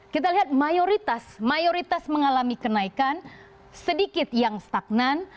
kita lihat mayoritas mayoritas mengalami kenaikan sedikit yang stagnan